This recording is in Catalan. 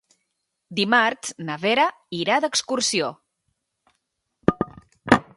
Dimarts na Vera irà d'excursió.